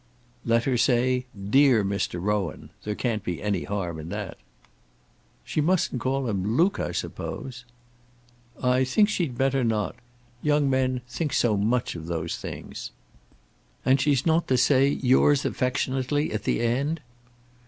"Let her say Dear Mr. Rowan. There can't be any harm in that." "She mustn't call him Luke, I suppose." "I think she'd better not. Young men think so much of those things." "And she's not to say 'Yours affectionately' at the end?"